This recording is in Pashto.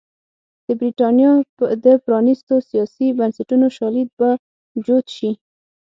د برېټانیا د پرانېستو سیاسي بنسټونو شالید به جوت شي.